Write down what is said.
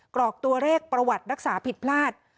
กรอกตัวเลขประวัติรักษาผิดพลาด